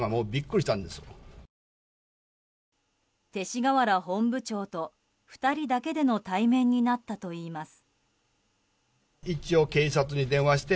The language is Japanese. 勅使河原本部長と２人だけでの対面になったといいます。